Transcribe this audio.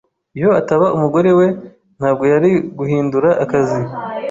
Iyo ataba umugore we, ntabwo yari guhindura akazi.